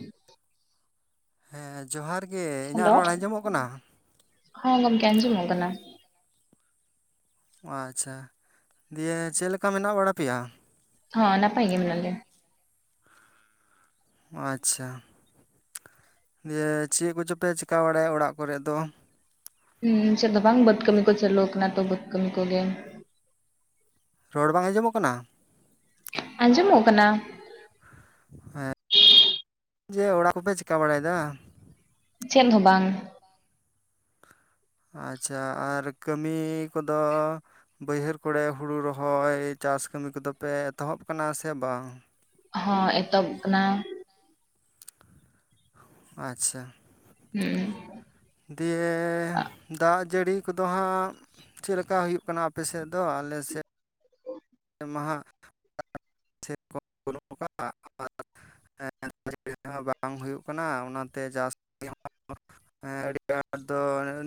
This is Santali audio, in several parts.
[inaudible] ᱦᱮᱸ ᱮᱸ ᱡᱚᱦᱟᱨ ᱜᱮ ᱤᱧᱟᱹᱜ ᱨᱚᱲ ᱟᱸᱡᱚᱢᱚᱜ ᱠᱟᱱᱟ? ᱦᱚᱸ ᱜᱚᱢᱠᱮ ᱟᱸᱡᱚᱢᱚᱜ ᱠᱟᱱᱟ ᱾ ᱟᱪᱪᱷᱟ, ᱫᱤᱭᱮ ᱪᱮᱫ ᱞᱮᱠᱟ ᱢᱮᱱᱟᱜ ᱵᱟᱲᱟ ᱯᱮᱭᱟ? ᱦᱚᱸ ᱱᱟᱯᱟᱭ ᱜᱮ ᱢᱮᱱᱟᱜ ᱞᱮᱭᱟ ᱾ ᱟᱪᱪᱷᱟ, ᱫᱤᱭᱮ ᱪᱮᱫ ᱠᱚᱪᱚᱯᱮ ᱪᱮᱠᱟ ᱵᱟᱲᱟᱭᱟ ᱚᱲᱟᱜ ᱠᱚᱨᱮᱜ ᱫᱚ? ᱦᱩᱸ ᱥᱮᱫ ᱫᱚ ᱵᱟᱝ ᱵᱟᱹᱫᱽ ᱠᱟᱹᱢᱤ ᱠᱚ ᱪᱟᱹᱞᱩ ᱟᱠᱟᱱᱟ ᱛᱚ ᱵᱟᱹᱫᱽ ᱠᱟᱹᱢᱤ ᱠᱚᱜᱮ ᱾ ᱨᱚᱲ ᱵᱟᱝ ᱟᱸᱡᱚᱢᱚᱜ ᱠᱟᱱᱟ? ᱟᱸᱡᱚᱢᱚᱜ ᱠᱟᱱᱟ᱾ ᱦᱮᱸ, ᱡᱮ ᱚᱲᱟᱜ ᱠᱚᱯᱮ ᱪᱮᱠᱟ ᱵᱟᱲᱟᱭᱮᱫᱟ? ᱪᱮᱫ ᱦᱚᱸ ᱵᱟᱝ᱾ ᱟᱪᱪᱷᱟ, ᱟᱨ ᱠᱟᱹᱢᱤ ᱠᱚᱫᱚ ᱵᱟᱹᱭᱦᱟᱹᱨ ᱠᱚᱲᱮ ᱦᱩᱲᱩ ᱨᱚᱦᱚᱭ ᱪᱟᱥ ᱠᱟᱹᱢᱤ ᱠᱚᱫᱚ ᱯᱮ ᱮᱛᱚᱦᱚᱵ ᱠᱟᱱᱟ ᱥᱮ ᱵᱟᱝ? ᱦᱚᱸ ᱮᱛᱚᱵ ᱠᱟᱱᱟ᱾ ᱟᱪᱪᱷᱟ ᱾ ᱦᱩᱸ ᱾ ᱫᱤᱭᱮ ᱫᱟᱜ ᱡᱟᱹᱲᱤ ᱠᱚᱫᱚ ᱦᱟᱸᱜ ᱪᱮᱫ ᱞᱮᱠᱟ ᱦᱩᱭᱩᱜ ᱠᱟᱱᱟ ᱟᱯᱮᱥᱮᱫ ᱫᱚ? ᱟᱞᱮᱥᱮᱫ ᱢᱟᱦᱟ ᱪᱮᱫ ᱠᱚ [unintelligible] ᱠᱟᱜ ᱟᱨ [unintelligible] ᱵᱟᱝ ᱦᱩᱭᱩᱜ ᱠᱟᱱᱟ ᱚᱱᱟᱛᱮ ᱡᱟᱹᱥᱛᱤ ᱦᱚᱸ ᱦᱮᱸ ᱟᱹᱰᱤ ᱟᱸᱴ ᱫᱚ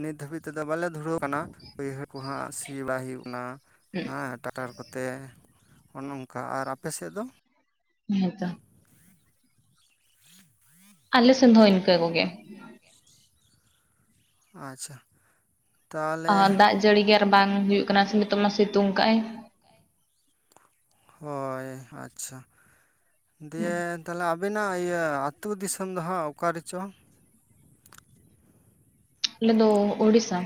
ᱱᱤᱛ ᱫᱷᱟᱹᱵᱤᱡ ᱛᱮᱫᱚ ᱵᱟᱞᱮ ᱫᱷᱩᱲᱟᱹᱣ ᱠᱟᱱᱟ ᱾ ᱵᱟᱹᱭᱦᱟᱹᱲ ᱠᱚ ᱦᱟᱜ ᱥᱤ ᱵᱟᱭ ᱦᱩᱭᱩᱜ ᱠᱟᱱᱟ ᱾ ᱦᱮᱸ ᱴᱟᱠᱴᱟᱨ ᱠᱚᱛᱮ ᱚᱱ-ᱱᱚᱝᱠᱟ ᱟᱨ ᱟᱯᱮ ᱥᱮ ᱫᱚ? ᱦᱮᱸᱛᱚ ᱾ ᱟᱞᱮ ᱥᱮᱫ ᱫᱷᱚ ᱤᱱᱠᱟᱹ ᱠᱚ ᱜᱮ ᱾ ᱟᱪᱪᱷᱟ ᱾ ᱟᱹ ᱫᱟᱜ ᱡᱟᱹᱲᱤ ᱜᱮ ᱟᱨ ᱵᱟᱝ ᱦᱩᱭᱩᱜ ᱠᱟᱱᱟ ᱥᱮ ᱱᱤᱛᱚᱜ ᱢᱟ ᱥᱤᱛᱩᱝ ᱠᱟᱜᱼᱟᱭ᱾ ᱦᱳᱭ ᱟᱪᱪᱷᱟ, ᱫᱤᱭᱮ ᱛᱟᱦᱚᱞᱮ ᱟᱵᱮᱱᱟᱜ ᱤᱭᱟᱹ ᱟᱹᱛᱩ ᱫᱤᱥᱚᱢ ᱫᱚ ᱦᱟᱸᱜ ᱚᱠᱟ ᱨᱮᱪᱚ? ᱟᱞᱮ ᱫᱚ ᱳᱲᱤᱥᱥᱟ᱾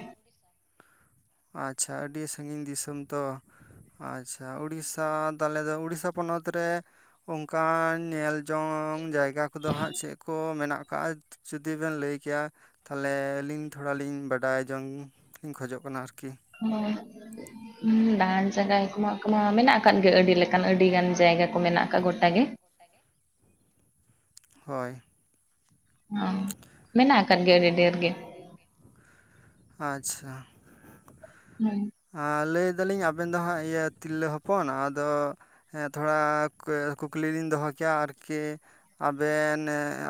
ᱟᱪᱪᱷᱟ, ᱟᱹᱰᱤ ᱥᱟᱺᱜᱤᱧ ᱫᱤᱥᱚᱢ ᱛᱚ ᱾ ᱟᱪᱪᱷᱟ, ᱩᱲᱤᱥᱥᱟ ᱛᱟᱦᱞᱮ ᱫᱚ ᱩᱲᱤᱥᱥᱟ ᱯᱚᱱᱚᱛ ᱨᱮ ᱚᱝᱠᱟᱱ ᱧᱮᱞ ᱡᱚᱝ ᱡᱟᱭᱜᱟ ᱠᱚᱫᱚ ᱦᱟᱸᱜ ᱪᱮᱫ ᱠᱚ ᱢᱮᱱᱟᱜ ᱟᱠᱟᱜᱼᱟ? ᱡᱩᱫᱤ ᱵᱮᱱ ᱞᱟᱹᱭ ᱠᱮᱭᱟ ᱛᱟᱦᱚᱞᱮ ᱟᱹᱞᱤᱧ ᱛᱷᱚᱲᱟ ᱞᱤᱧ ᱵᱟᱰᱟᱭ ᱡᱚᱝ ᱞᱤᱧ ᱠᱷᱚᱡᱚᱜ ᱠᱟᱱᱟ ᱟᱨ ᱠᱤ ᱾ ᱦᱚᱭ ᱾ ᱦᱮᱸ ᱫᱟᱬᱟᱱ ᱡᱟᱜᱟᱭ ᱠᱚᱢᱟ ᱠᱚᱢᱟ ᱢᱮᱱᱟᱜ ᱟᱠᱟᱫ ᱜᱮ ᱟᱹᱰᱤ ᱞᱮᱠᱟᱱ ᱟᱹᱰᱤ ᱜᱟᱱ ᱡᱟᱭᱜᱟ ᱠᱚ ᱢᱮᱱᱟᱜ ᱟᱠᱟᱜ ᱜᱚᱴᱟ ᱜᱮ ᱾ ᱦᱳᱭ ᱾ ᱚ, ᱢᱮᱱᱟᱜ ᱠᱟᱫ ᱜᱮᱭᱟ ᱟᱹᱰᱤ ᱰᱷᱮᱨ ᱜᱮ ᱾ ᱟᱪᱪᱷᱟ ᱾ ᱦᱳᱭ ᱾ ᱟ ᱞᱟᱹᱭ ᱫᱟᱞᱤᱧ ᱟᱵᱮᱱ ᱫᱚ ᱦᱟᱸᱜ ᱤᱭᱟᱹ ᱛᱤᱨᱞᱟᱹ ᱦᱚᱯᱚᱱ, ᱟᱫᱚ ᱦᱮᱸ ᱛᱷᱚᱲᱟ [inaudible] ᱠᱩᱠᱞᱤ ᱞᱤᱧ ᱫᱚᱦᱚ ᱠᱮᱭᱟ ᱟᱨᱠᱤ ᱟᱵᱮᱱ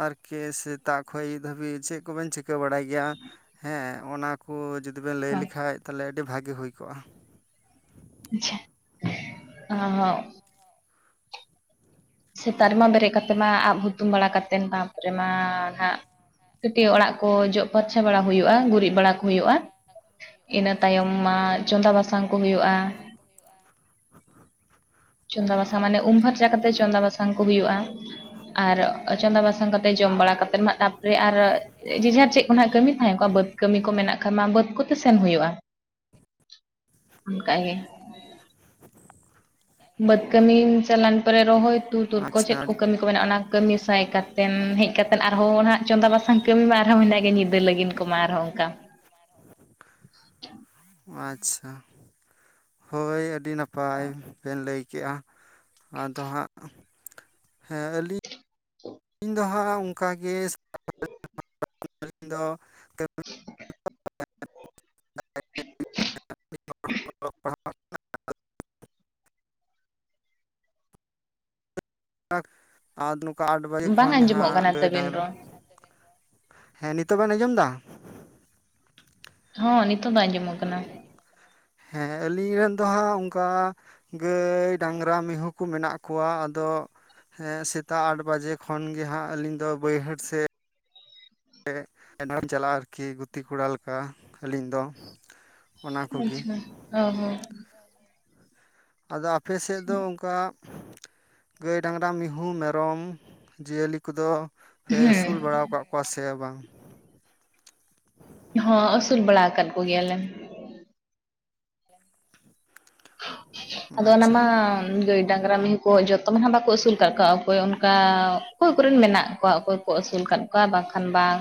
ᱟᱨᱠᱤ ᱥᱮᱛᱟᱜ ᱠᱷᱚᱡ ᱟᱹᱭᱩᱵ ᱫᱷᱟᱹᱵᱤᱡ ᱪᱮᱫ ᱠᱚᱵᱮᱱ ᱪᱤᱠᱟᱹ ᱵᱟᱲᱟᱭ ᱜᱮᱭᱟ? ᱦᱮᱸ, ᱚᱱᱟ ᱠᱚ ᱡᱩᱫᱤ ᱵᱮᱱ ᱞᱟᱹᱭ ᱟᱪᱪᱷᱟ ᱞᱮᱠᱷᱟᱡ ᱛᱟᱦᱚᱞᱮ ᱟᱹᱰᱤ ᱵᱷᱟᱹᱜᱮ ᱦᱩᱭ ᱠᱚᱜᱼᱟ? ᱟᱪᱪᱷᱟ, ᱚᱻ ᱥᱮᱛᱟᱜ ᱨᱮᱢᱟ ᱵᱮᱨᱮᱫ ᱠᱟᱛᱮᱫ ᱢᱟ ᱟᱵ ᱦᱩᱛᱩᱢ ᱵᱟᱲᱟ ᱠᱟᱛᱮᱫ ᱛᱟᱨᱯᱚᱨᱮ ᱢᱟ ᱦᱟᱸᱜ ᱠᱟᱹᱴᱤᱡ ᱚᱲᱟᱜ ᱠᱚ ᱡᱚᱜ ᱯᱷᱟᱨᱪᱟ ᱵᱟᱲᱟ ᱦᱩᱭᱩᱜ-ᱟ, ᱜᱩᱨᱤᱡ ᱵᱟᱲᱟ ᱠᱚ ᱦᱩᱭᱩᱜ-ᱟ᱾ ᱤᱱᱟᱹ ᱛᱟᱭᱚᱢ ᱢᱟ ᱪᱚᱸᱫᱟ ᱵᱟᱥᱟᱝ ᱠᱚ ᱦᱩᱭᱩᱜ-ᱟ᱾ ᱪᱚᱸᱫᱟ ᱵᱟᱥᱟᱝ ᱢᱟᱱᱮ ᱩᱢ ᱯᱷᱟᱨᱪᱟ ᱠᱟᱛᱮ ᱪᱚᱸᱫᱟ ᱵᱟᱥᱟᱝ ᱠᱚ ᱦᱩᱭᱩᱜ-ᱟ᱾ ᱟᱨ ᱪᱚᱸᱫᱟ ᱵᱟᱥᱟᱝ ᱠᱟᱛᱮᱫ ᱡᱚᱢ ᱵᱟᱲᱟ ᱠᱟᱛᱮᱫ ᱢᱟ ᱛᱟᱨᱯᱚᱨᱮ ᱟᱨ ᱡᱮ ᱡᱟᱨ ᱪᱮᱫ ᱠᱚᱱᱟᱜ ᱠᱟᱹᱢᱤ ᱛᱟᱦᱮᱸ ᱠᱚᱜ ᱵᱟᱹᱫᱽ ᱠᱟᱹᱢᱤ ᱠᱚ ᱢᱮᱱᱟᱜ ᱠᱷᱟᱱ ᱢᱟ ᱵᱟᱹᱫᱽ ᱠᱚᱛᱮ ᱥᱮᱱ ᱦᱩᱭᱩᱜ-ᱟ᱾ ᱚᱱᱠᱟ ᱜᱮ᱾ ᱵᱟᱹᱫᱽ ᱠᱟᱹᱢᱤᱢ ᱪᱟᱞᱟᱱ ᱯᱚᱨᱮ ᱨᱚᱦᱚᱭ ᱛᱩ ᱛᱩᱫ ᱠᱚ ᱪᱮᱫ ᱟᱪᱪᱷᱟ ᱠᱚ ᱠᱟᱹᱢᱤ ᱠᱚ ᱢᱮᱱᱟᱜ-ᱟ ᱚᱱᱟ ᱠᱟᱹᱢᱤ ᱥᱟᱭ ᱠᱟᱛᱮᱱ ᱦᱮᱡ ᱠᱟᱛᱮᱫ ᱟᱨᱦᱚᱸ ᱱᱟᱦᱟᱜ ᱪᱚᱸᱫᱟ ᱵᱟᱥᱟᱝ ᱠᱟᱹᱢᱤ ᱢᱟ ᱟᱨᱦᱚᱸ ᱢᱮᱱᱟᱜ ᱟᱱᱟᱜ ᱜᱮ ᱧᱤᱫ ᱤᱧ ᱞᱟᱹᱜᱤᱱ ᱠᱚᱢᱟ ᱟᱨᱦᱚᱸ ᱚᱝᱠᱟ᱾ ᱟᱪᱪᱷᱟ, ᱦᱳᱭ ᱟᱹᱰᱤ ᱱᱟᱯᱟᱭ ᱵᱮᱱ ᱞᱟᱹᱭ ᱠᱮᱜ-ᱟ᱾ ᱟᱫᱚ ᱦᱟᱸᱜ ᱦᱮᱸ ᱟᱹᱞᱤᱧ ᱟᱹᱞᱤᱧ ᱫᱚ ᱦᱟᱸᱜ ᱩᱝᱠᱟ ᱜᱮ [unintelligible] ᱫᱚ [inaudible] [inaudible] ᱟᱠ, ᱟᱫ ᱱᱚᱝᱠᱟ ᱟᱴ ᱵᱟᱡᱮ ᱵᱟᱝ ᱠᱷᱚᱱ ᱟᱸᱡᱚᱢᱚᱜ ᱡᱟᱦᱟᱸ ᱠᱟᱱᱟ ᱜᱟᱹᱭ ᱛᱟᱹᱵᱤᱱ ᱰᱟᱝᱨᱟ ᱨᱚᱲ ᱦᱮᱸ ᱱᱤᱛᱳᱜ ᱵᱮᱱ ᱟᱸᱡᱚᱢᱫᱟ? ᱦᱚᱸ ᱱᱤᱛᱳᱜ ᱫᱚ ᱟᱸᱡᱚᱢᱚᱜ ᱠᱟᱱᱟ᱾ ᱦᱮᱸ ᱟᱹᱞᱤᱧᱟᱜ ᱫᱚ ᱦᱟᱸᱜ ᱩᱝᱠᱟ ᱜᱟᱹᱭ, ᱰᱟᱝᱨᱟ, ᱢᱤᱦᱩᱸ ᱠᱩ ᱢᱮᱱᱟᱜ ᱠᱚᱣᱟ ᱟᱫᱚ ᱦᱮᱸ ᱥᱮᱛᱟᱜ ᱟᱴ ᱵᱟᱡᱮ ᱠᱷᱚᱱ ᱜᱮ ᱦᱟᱸᱜ ᱟᱹᱞᱤᱧ ᱫᱚ ᱵᱟᱹᱭᱦᱟᱹᱲ ᱥᱮ ᱮᱸ, ᱮᱱ ᱨᱮᱦᱚᱧ ᱪᱟᱞᱟᱜ-ᱟ ᱟᱨᱠᱤ ᱜᱩᱛᱤ ᱠᱚᱲᱟ ᱞᱮᱠᱟ ᱟᱹᱞᱤᱧ ᱫᱚ᱾ ᱚᱱᱟ ᱠᱚᱜᱮ ᱟᱪᱪᱷᱟ, ᱦᱳᱭ ᱦᱳᱭ᱾ ᱟᱫᱚ ᱟᱯᱮ ᱥᱮᱫ ᱫᱚ ᱩᱝᱠᱟ ᱜᱟᱹᱭ, ᱰᱟᱝᱨᱟ, ᱢᱤᱦᱩᱸ, ᱢᱮᱨᱚᱢ, ᱡᱤᱭᱟᱹᱞᱤ ᱠᱚᱫᱚ ᱯᱮ ᱟᱹᱥᱩᱞ ᱦᱮᱸ ᱵᱟᱲᱟᱣ ᱠᱚᱣᱟᱜ ᱠᱚᱣᱟ ᱥᱮ ᱵᱟᱝ? ᱦᱚᱸ ᱟᱹᱥᱩᱞ ᱵᱟᱲᱟᱣ ᱠᱟᱫ ᱠᱚᱜᱮᱭᱟᱞᱮ᱾ ᱟᱫᱚ ᱟᱪᱪᱷᱟ ᱚᱱᱟᱢᱟ ᱜᱟᱹᱭ, ᱰᱟᱝᱨᱟ, ᱢᱤᱦᱩᱸ ᱠᱚ ᱡᱚᱛᱚᱱ ᱦᱚᱸ ᱵᱟᱠᱚ ᱟᱹᱥᱩᱞ ᱠᱟᱜ ᱠᱚᱣᱟ, ᱚᱠᱚᱭ ᱚᱱᱠᱟ ᱚᱠᱚᱭ ᱠᱚᱨᱮᱱ ᱢᱮᱱᱟᱜ ᱠᱚᱣᱟ ᱚᱠᱚᱭ ᱠᱚ ᱟᱹᱥᱩᱞ ᱠᱟᱫ ᱠᱚᱣᱟ ᱵᱟᱝᱠᱷᱟᱱ ᱵᱟᱝ᱾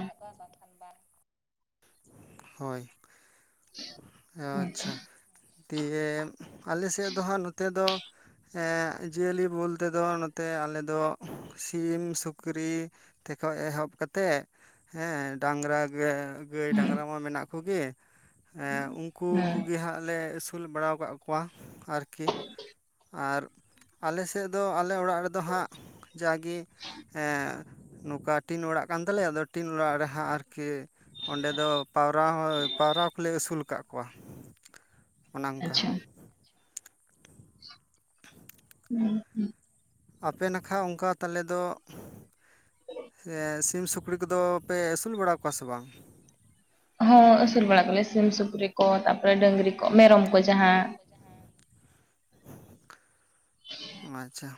ᱦᱳᱭ, ᱟᱪᱪᱷᱟ᱾ ᱫᱤᱭᱮ ᱟᱞᱮ ᱥᱮᱫ ᱫᱚ ᱦᱟᱸᱜ ᱱᱚᱛᱮ ᱫᱚ ᱮᱸᱜ ᱡᱤᱭᱟᱹᱞᱤ ᱵᱳᱞᱛᱮ ᱫᱚ ᱱᱚᱛ ᱛᱮ ᱟᱞᱮ ᱫᱚ ᱥᱤᱢ ᱥᱩᱠᱨᱤ ᱛᱮᱠᱷᱚᱡ ᱮᱦᱚᱵ ᱠᱟᱛᱮᱜ ᱦᱮᱸ ᱰᱟᱝᱨᱟ ᱜᱮ ᱜᱟᱹᱭ, ᱦᱩᱸ ᱰᱟᱝᱨᱟ ᱢᱟ ᱢᱮᱱᱟᱜ ᱠᱚᱜᱮ ᱮᱸ ᱩᱝᱠᱩ ᱦᱩᱸ ᱠᱩᱜᱮ ᱦᱟᱸᱜ ᱞᱮ ᱟᱹᱥ ᱥᱩᱞ ᱵᱟᱲᱟᱣ ᱠᱟᱫ ᱠᱚᱣᱟ ᱟᱨᱠᱤ ᱟᱨ ᱟᱞᱮ ᱥᱮᱫ ᱫᱚ ᱟᱞᱮ ᱚᱲᱟᱜ ᱨᱮ ᱫᱚ ᱦᱟᱸᱜ ᱡᱟᱜᱮ ᱮᱸᱻ ᱱᱩᱠᱟ ᱴᱤᱱ ᱚᱲᱟᱜ ᱠᱟᱱ ᱛᱟᱞᱮᱭᱟ, ᱟᱫᱚ ᱴᱤᱱ ᱚᱲᱟᱜ ᱨᱮᱦᱟᱸᱜ ᱟᱨᱠᱤ ᱚᱸᱰᱮ ᱫᱚ ᱯᱟᱣᱨᱟ ᱦᱚᱸ, ᱯᱟᱣᱨᱟ ᱠᱚᱞᱮ ᱟᱹᱥᱩᱞ ᱠᱟᱜ ᱠᱚᱣᱟ ᱚᱱᱮ ᱚᱝᱠᱟ᱾ ᱟᱪᱪᱷᱟ [inaudible] ᱦᱩᱸ ᱦᱩᱸ᱾ ᱟᱯᱮ ᱱᱟᱠᱷᱟ ᱩᱝᱠᱟ ᱛᱟᱞᱮ ᱫᱚ, ᱮᱸᱜ ᱥᱤ ᱥᱤᱢ, ᱥᱩᱠᱨᱤ ᱠᱚᱫᱚ ᱯᱮ ᱟᱹᱥᱩᱞ ᱵᱟᱲᱟ ᱠᱚᱣᱟ ᱥᱮ ᱵᱟᱝ? ᱦᱚᱸ ᱟᱹᱥᱩᱞ ᱵᱟᱲᱟ ᱠᱚᱞᱮ ᱥᱤᱢ ᱥᱩᱠᱨᱤ ᱠᱚ ᱛᱟᱯᱚᱨᱮ ᱰᱟᱹᱝᱨᱤ ᱠᱚ, ᱢᱮᱨᱚᱢ ᱠᱚ, ᱡᱟᱦᱟᱸ ᱟᱪᱪᱷᱟ᱾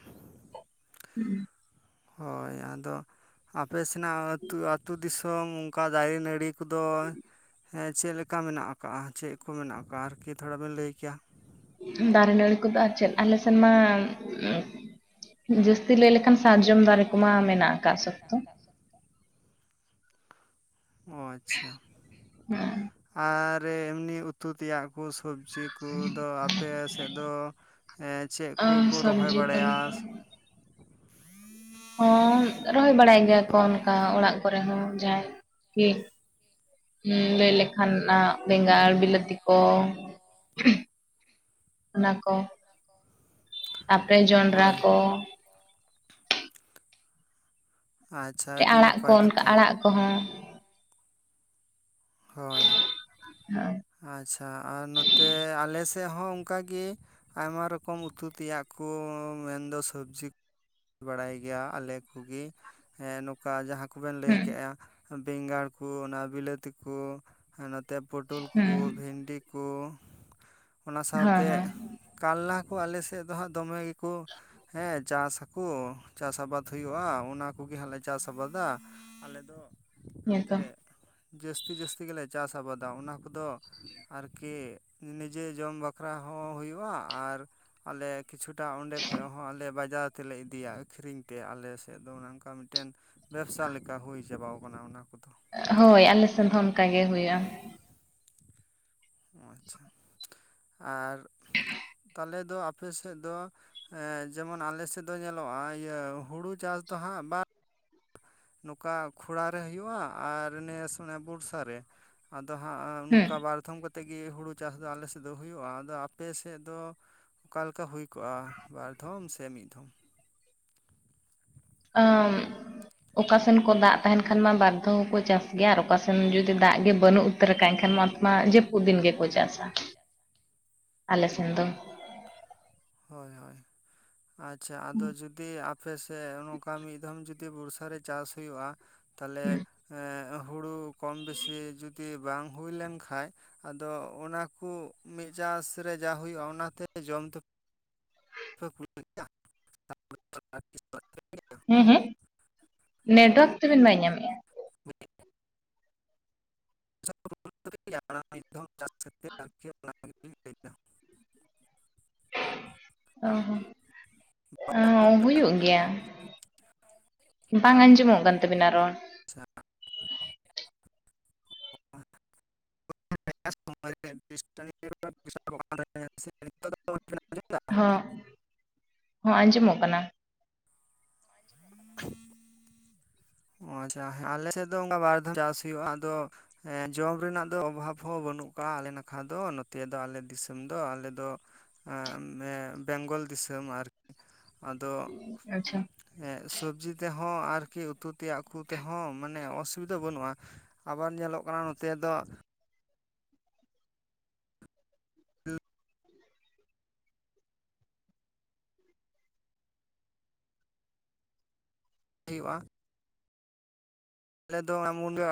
ᱩᱸ᱾ ᱦᱳᱭ ᱟᱫᱚ ᱟᱯᱮ ᱥᱮᱱᱟᱜ ᱟᱹᱛ ᱟᱹᱛᱩ ᱫᱤᱥᱚᱢ ᱩᱝᱠᱟ ᱫᱟᱨᱮ ᱱᱟᱹᱲᱤ ᱠᱩᱫᱚ ᱦᱮᱸ ᱪᱮᱫ ᱞᱮᱠᱟ ᱢᱮᱱᱟᱜ ᱟᱠᱟᱜᱼᱟ ᱪᱮᱫ ᱠᱚ ᱢᱮᱱᱟᱜ ᱟᱠᱟᱜᱼᱟ ᱟᱨᱠᱤ ᱛᱷᱚᱲᱟ ᱵᱮᱱ ᱞᱟᱹᱭ ᱠᱮᱭᱟ᱾ ᱫᱟᱨᱮᱼᱱᱟᱹᱲᱤ ᱠᱩᱫᱚ ᱟᱨ ᱪᱮᱫ ᱟᱞᱮ ᱥᱮᱱᱢᱟ ᱩᱸ ᱡᱟᱹᱥᱛᱤ ᱞᱟᱹᱭ ᱞᱮ ᱠᱷᱟᱱ ᱥᱟᱨᱡᱚᱢ ᱫᱟᱨᱮ ᱠᱚᱢᱟ ᱢᱮᱱᱟᱜ ᱟᱠᱟᱫ ᱥᱚᱠᱛᱚ ᱾ ᱚ ᱟᱪᱪᱷᱟ, ᱟᱨ ᱮᱢᱱᱤ ᱩᱛᱩ ᱛᱮᱭᱟᱜ ᱠᱩ ᱥᱚᱵᱽᱡᱤ ᱠᱚ ᱠᱩ ᱫᱚ ᱟᱯᱮ ᱥᱮᱫ ᱫᱚ ᱮᱸ ᱪᱮᱫ ᱟᱨ ᱠᱩᱠᱩ ᱨᱚᱦᱚᱭ ᱥᱚᱵᱽᱡᱤ ᱵᱟᱲᱟᱭᱟ? ᱠᱚᱫᱚ ᱦᱚᱸ ᱨᱚᱦᱚᱭ ᱵᱟᱲᱟᱭ ᱜᱮᱭᱟ ᱠᱚ ᱚᱱᱠᱟ ᱚᱲᱟᱜ ᱠᱚᱨᱮ ᱦᱚᱸ ᱡᱟᱦᱟᱸᱭ ᱠᱤ ᱾ ᱩᱸ ᱞᱟᱹᱭ ᱞᱮᱠᱷᱟᱱ ᱟᱸ ᱵᱮᱸᱜᱟᱲ ᱵᱤᱞᱟᱹᱛᱤ ᱠᱚ, ᱚᱱᱟ ᱠᱚ ᱛᱟᱯᱨᱮ ᱡᱚᱱᱰᱨᱟ ᱦᱳᱭ ᱠᱚ ᱾ ᱟᱪᱪᱷᱟ ᱪᱮ ᱟᱹᱰᱤ ᱟᱲᱟᱜ ᱠᱚ ᱱᱟᱯᱟᱭ ᱚᱱᱠᱟ ᱠᱟᱛᱷᱟ ᱟᱲᱟᱜ ᱠᱚᱦᱚᱸ᱾ ᱦᱳᱭ, ᱦᱩᱸ ᱟᱪᱪᱷᱟ ᱟᱨ ᱱᱚᱛᱮ ᱟᱞᱮ ᱥᱮᱫ ᱦᱚᱸ ᱚᱱᱠᱟ ᱜᱮ, ᱟᱭᱢᱟ ᱨᱚᱠᱚᱢ ᱩᱛᱩ ᱛᱮᱭᱟᱜ ᱠᱚ ᱢᱮᱱᱫᱚ ᱥᱚᱵᱽᱡᱤ ᱵᱟᱲᱟᱭ ᱜᱮᱭᱟ ᱟᱞᱮ ᱠᱚᱜᱮ ᱱᱚᱝᱠᱟ ᱡᱟᱦᱟᱸ ᱠᱚᱵᱮᱱ ᱞᱟᱹᱭ ᱦᱩᱸ ᱠᱮᱜᱼᱟ ᱵᱮᱸᱜᱟᱲ ᱠᱚ ᱚᱱᱟ ᱵᱤᱞᱟᱹᱛᱤ ᱠᱩ, ᱟᱨ ᱱᱚᱛᱮ ᱯᱚᱴᱚᱞ ᱠᱚ ᱵᱷᱮᱱᱰᱤ ᱠᱚ ᱚᱱᱟ ᱦᱮᱸ ᱥᱟᱶᱛᱮ ᱦᱮᱸ ᱠᱟᱞᱞᱟ ᱠᱚ ᱟᱞᱮ ᱥᱮᱫ ᱫᱚ ᱦᱟᱸᱜ ᱫᱚᱢᱮ ᱜᱮᱠᱚ, ᱦᱮᱸ ᱪᱟᱥ ᱠᱩ ᱪᱟᱥ ᱟᱵᱟᱫᱽ ᱦᱩᱭᱩᱜ-ᱟ ᱚᱱᱟ ᱠᱚᱜᱮ ᱦᱟᱸᱜ ᱞᱮ ᱪᱟᱥ ᱟᱵᱟᱫᱟ। ᱟᱞᱮ ᱫᱚ ᱦᱮᱸᱛᱚ ᱮᱠᱟᱞᱛᱮ ᱡᱟᱹᱥᱛᱤ ᱡᱟᱹᱥᱛᱤ ᱜᱮᱞᱮ ᱪᱟᱥ ᱟᱵᱟᱫᱟ, ᱚᱱᱟ ᱠᱚᱫᱚ ᱟᱨᱠᱤ ᱱᱤᱡᱮ ᱡᱚᱢ ᱵᱟᱠᱷᱨᱟ ᱦᱚᱸ ᱦᱩᱭᱩᱜᱼᱟ ᱟᱨ ᱟᱞᱮ ᱠᱤᱪᱷᱩᱴᱟ ᱚᱸᱰᱮ ᱠᱷᱚᱡ ᱦᱚᱸ ᱟᱞᱮ ᱵᱟᱡᱟᱨ ᱛᱮᱞᱮ ᱤᱫᱤᱭᱟ ᱟᱹᱠᱷᱨᱤᱧ ᱛᱮ ᱟᱞᱮ ᱥᱮᱫ ᱫᱚ ᱚᱱᱮ ᱚᱱᱠᱟ ᱢᱤᱫᱴᱮᱱ ᱵᱮᱵᱽᱥᱟ ᱞᱮᱠᱟ ᱦᱩᱭ ᱪᱟᱵᱟᱣ ᱟᱠᱟᱱᱟ ᱚᱱᱟ ᱾ ᱦᱳᱭ ᱟᱞᱮ ᱥᱮᱱ ᱦᱚᱸ ᱚᱱᱠᱟ ᱜᱮ ᱦᱩᱭᱩᱜᱼᱟ। ᱟᱪᱪᱷᱟ ᱟᱨ ᱛᱟᱦᱚᱞᱮ ᱫᱚ ᱟᱯᱮ ᱥᱮᱫ ᱫᱚ ᱡᱮᱢᱚᱱ ᱟᱞᱮ ᱥᱮᱫ ᱫᱚ ᱧᱮᱞᱚᱜ-ᱟ ᱤᱭᱟᱹ ᱦᱩᱲᱩ ᱪᱟᱥ ᱫᱚ ᱦᱟᱸᱜ ᱵᱟᱨ ᱱᱚᱠᱟ ᱠᱷᱚᱲᱟ ᱨᱮ ᱦᱩᱭᱩᱜᱼᱟ, ᱟᱨ ᱱᱮᱥ ᱚᱱᱮ ᱵᱚᱨᱥᱟ ᱨᱮ, ᱟᱫᱚ ᱦᱟᱸᱜ ᱦᱮᱸ ᱱᱚᱝᱠᱟ ᱵᱟᱨᱫᱷᱚᱢ ᱠᱟᱛᱮᱫ ᱜᱤ ᱦᱩᱲᱩ ᱪᱟᱥ ᱫᱚ ᱟᱞᱮ ᱥᱮᱫ ᱫᱚ ᱦᱩᱭᱩᱜ-ᱟ ᱟᱫᱚ ᱟᱯᱮ ᱥᱮᱜ ᱫᱚ ᱚᱠᱟ ᱞᱮᱠᱟ ᱦᱩᱭ ᱠᱚᱜᱼᱟ ᱵᱟᱨ ᱫᱷᱚᱢ ᱥᱮ ᱢᱤᱫ ᱫᱷᱚᱢ? ᱟᱹ, ᱚᱠᱟ ᱥᱮᱱ ᱠᱚ ᱫᱟᱜ ᱛᱟᱦᱮᱱ ᱠᱷᱟᱱ ᱢᱟ ᱵᱟᱨ ᱫᱷᱟᱣ ᱦᱚᱸᱠᱚ ᱪᱟᱥ ᱜᱮᱭᱟ ᱾ ᱟᱨ ᱚᱠᱟ ᱥᱮᱱ ᱡᱩᱫᱤ ᱫᱟᱜ ᱜᱮ ᱵᱟᱹᱱᱩᱜ, ᱩᱛᱟᱹᱨ ᱮᱱᱠᱷᱟᱱ ᱢᱟ‌ ᱚᱱᱛᱮ ᱢᱟ ᱡᱟᱹᱯᱩᱫ ᱫᱤᱱ ᱜᱮᱠᱚ ᱪᱟᱥᱟ ᱟᱞᱮ ᱥᱮᱱ ᱫᱚ। ᱦᱳᱭ ᱦᱳᱭ ᱟᱪᱪᱷᱟ ᱟᱫᱚ ᱡᱩᱫᱤ ᱟᱯᱮ ᱥᱮᱫ ᱱᱚᱭ ᱱᱚᱝᱠᱟ ᱢᱤᱫ ᱫᱷᱚᱢ ᱡᱩᱫᱤ ᱡᱩᱤ ᱵᱚᱨᱥᱟ ᱨᱮ ᱪᱟᱥ ᱦᱩᱭᱩᱜᱼᱟ, ᱛᱟᱦᱚᱞᱮ ᱦᱮᱸ ᱦᱩᱲᱩ ᱠᱚᱢ ᱵᱤᱥᱤ ᱡᱩᱫᱤ ᱵᱟᱝ ᱦᱩᱭ ᱞᱮᱱ ᱠᱷᱟᱡ ᱟᱫᱚ ᱚᱱᱟᱠᱩ ᱢᱤᱫ ᱪᱟᱥ ᱨᱮ ᱡᱟ ᱦᱩᱭᱩᱜᱼᱟ ᱚᱱᱟᱛᱮ ᱡᱚᱢ ᱛᱮ ᱯᱮ ᱠᱩᱞᱟᱹᱜ [unintelligible] ᱦᱮᱸ ᱦᱮᱸ, ᱱᱮᱴᱟᱣᱟᱨᱠ ᱛᱟ‌ ᱵᱮᱱ ᱵᱟᱭ ᱧᱟᱢᱮᱜ-ᱟ [unintelligible] ᱪᱟᱥ ᱟᱨᱠᱤ ᱚᱱᱟᱱᱟᱜᱤᱧ ᱞᱟᱹᱭᱫᱟ [unintelligible] ᱚ ᱦᱚᱸ ᱚ ᱦᱩᱭᱩᱜ ᱜᱮᱭᱟ, ᱵᱟᱝ ᱟᱸᱡᱚᱢᱚᱜ ᱠᱟᱱ ᱛᱟ. ᱵᱤᱱᱟ ᱨᱚᱲ। ᱥᱟ [unintelligible] [unintelligible] [inaudible] ᱦᱚᱸ ᱦᱚᱸ ᱟᱸᱡᱚᱢᱚᱜ ᱠᱟᱱᱟ। [inaudible] ᱚ ᱟᱪᱪᱷᱟ ᱟᱞᱮ ᱥᱮᱫ ᱫᱚ ᱚᱱᱠᱟ ᱵᱟᱨ ᱫᱷᱟᱣ ᱪᱟᱥ ᱦᱩᱭᱩᱜ-ᱟ᱾ ᱟᱫᱚᱼᱼᱼ ᱦᱮᱸ ᱡᱚᱢ ᱨᱮᱱᱟᱜ ᱫᱚ ᱚᱵᱷᱟᱵᱽ ᱦᱚᱸ ᱵᱟᱹᱱᱩᱜ ᱠᱟᱜ-ᱟ ᱾ ᱟᱞᱮ ᱱᱟᱠᱷᱟ ᱫᱚ ᱱᱚᱛᱮ ᱫᱚ ᱟᱞᱮ ᱫᱤᱥᱚᱢ ᱫᱚ ᱟᱞᱮ ᱫᱚ। [unintelligible] ᱵᱮᱝᱜᱚᱞ ᱫᱤᱥᱚᱢ ᱟᱨ ᱟᱫᱚ। ᱟᱪᱪᱷᱟ ᱥᱚᱵᱽᱡᱤ ᱛᱮᱦᱚᱸ ᱟᱨᱠᱤ ᱩᱛᱩ। ᱱᱚᱛᱮᱭᱟᱜ ᱠᱚ ᱛᱮᱦᱚᱸ ᱢᱟᱱᱮ ᱚᱥᱩᱵᱤᱫᱟ ᱵᱟᱹᱱᱩᱜ-ᱟ᱾ ᱟᱵᱟᱨ ᱧᱮᱞᱚᱜ ᱠᱟᱱᱟ ᱱᱚᱛᱮ ᱫᱚ। ᱦᱮᱸ [inaudible] ᱦᱩᱭᱩᱜ-ᱟ ᱟᱞᱮ ᱫᱚ ᱢᱩᱱᱟᱹ